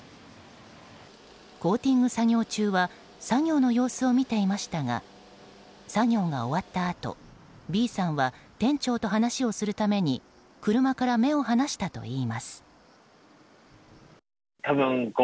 コーティング作業中は作業の様子を見ていましたが作業が終わったあとＢさんは店長と話をするために車から目を離したといいます。